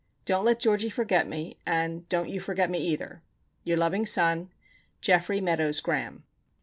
Dont let Georgie forget me and dont you forget me either "Your loving son "Geoffrey Meadows Graham."